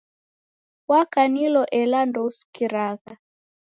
Wakanilo ela ndousikiragha.